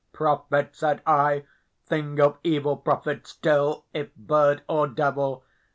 "Prophet!" said I, "thing of evil! prophet still, if bird or devil!